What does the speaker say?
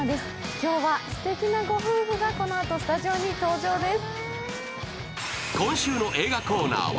今日はすてきなご夫婦がこのあとスタジオに登場です。